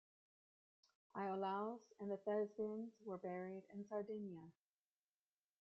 Iolaus and the Thespians were buried in Sardinia.